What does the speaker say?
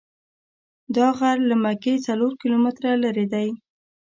دا غر له مکې څلور کیلومتره لرې دی.